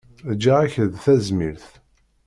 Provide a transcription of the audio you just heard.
Ǧǧiɣ-ak-d tazmilt.